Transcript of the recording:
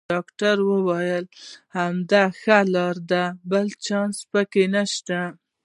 ډاکټر وویل: همدا یې ښه لار ده، بل چانس پکې نشته.